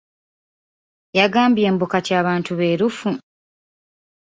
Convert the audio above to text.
Yagambye mbu kati abantu beerufu.